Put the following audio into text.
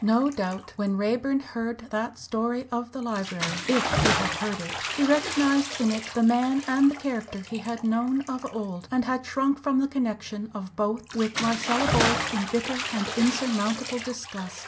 No doubt when Raeburn heard that story of the library if he had heard it he recognised in it the man and the character he had known of old, and had shrunk from the connection of both with Marcella Boyce in bitter and insurmountable disgust.